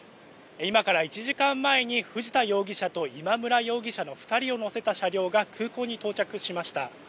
今から１時間前に藤田容疑者と今村容疑者の２人を乗せた車両が空港に到着しました。